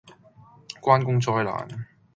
關公災難